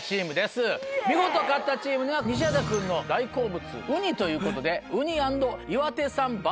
見事勝ったチームには西畑君の大好物ウニということで。